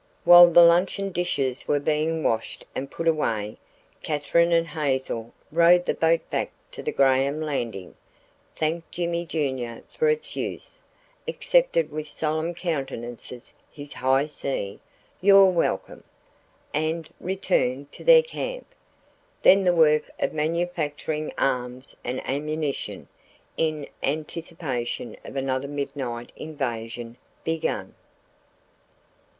While the luncheon dishes were being washed and put away, Katherine and Hazel rowed the boat back to the Graham landing, thanked "Jimmie Junior" for its use, accepted with solemn countenances his "high C" "You're welcome," and returned to their camp. Then the work of manufacturing arms and ammunition, in anticipation of another midnight invasion, began.